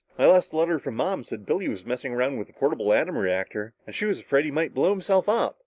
"My last letter from Mom said Billy was messing around with a portable atom reactor and she was afraid he might blow himself up."